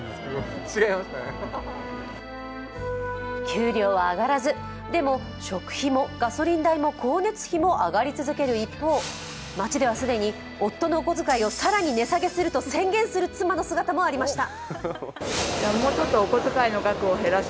給料は上がらず、でも食費もガソリン代も光熱費も上がり続ける一方、街では既に夫のお小遣いを更に値下げすると宣言する妻の姿もありました。